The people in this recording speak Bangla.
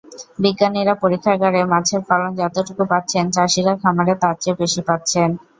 বিজ্ঞানীরা পরীক্ষাগারে মাছের ফলন যতটুকু পাচ্ছেন, চাষিরা খামারে তার চেয়ে বেশি পাচ্ছেন।